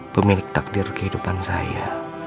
pemilik takdir kehidupan saya